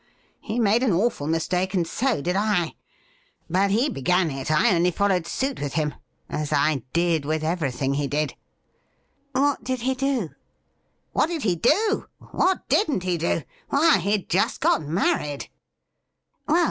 He made an awful mistake, and so did I. But he began it ; I only followed suit with him, as I did with everything he did.' « What did he do .?'« What did he do .? What didn't he do ? Why, he just got married.'